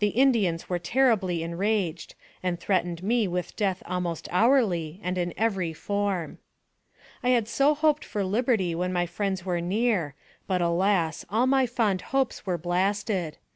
107 Indians were terribly enraged, and threatened me with death almost hourly, and in every form. I had so hoped for liberty when my friends were near; but alas! all my fond hopes were blasted.